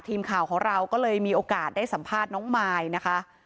ทีมข่าวของเราก็เลยมีโอกาสได้สัมภาษณ์น้องมายนะคะ